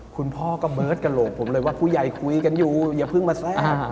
คุณพ่อก็เบิร์ดกระโหลกผมเลยว่าผู้ใหญ่คุยกันอยู่อย่าเพิ่งมาแทรก